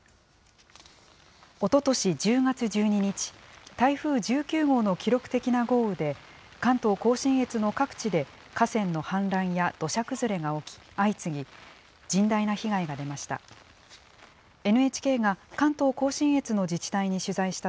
おととし１０月１２日、台風１９号の記録的な豪雨で、関東甲信越の各地で河川の氾濫や土砂崩れが起き、相次ぎ、甚大な被害がありました。